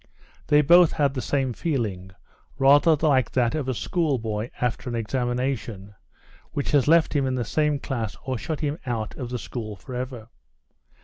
They both had the same feeling, rather like that of a schoolboy after an examination, which has left him in the same class or shut him out of the school forever.